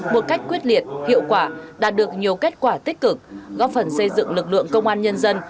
một cách quyết liệt hiệu quả đạt được nhiều kết quả tích cực góp phần xây dựng lực lượng công an nhân dân